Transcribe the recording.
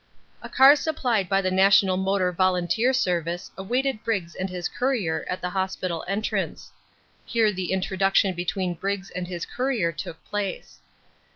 A car supplied by the National Motor Volunteer Service awaited Briggs and his courier at the hospital entrance. Here the introduction between Briggs and his courier took place.